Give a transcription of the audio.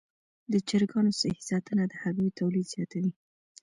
د چرګانو صحي ساتنه د هګیو تولید زیاتوي.